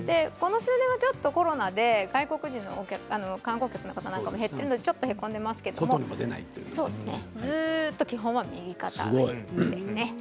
この数年はちょっとコロナで外国人の観光客の方なんかも減ってちょっとへこんでいますけれどもずっと基本は右肩上がりですね。